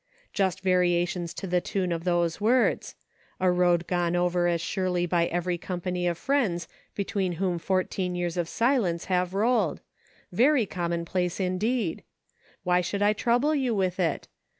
Just variations to the tune of those words : a road gone over as surely by every company of friends between whom fourteen years of silence have "THAT BEATS ME !" 335 rolled ; very commonplace indeed. Why should I trouble you with it